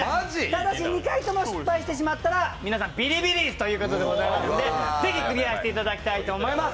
ただし２回とも失敗してしまったら皆さん、ビリビリ椅子になりますのでぜひクリアしていただきたいと思います。